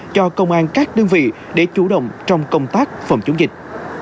cho công an các đơn vị để chủ động trong công tác phòng chống dịch